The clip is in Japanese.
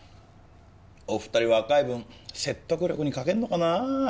お二人若い分説得力に欠けるのかなあ。